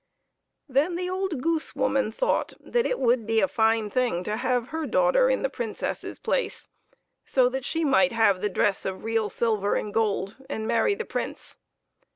Then the old goose woman thought that it would be a fine thing to have her daughter in the Princess's place, so that she might have the dress of real silver and gold, and marry the Prince.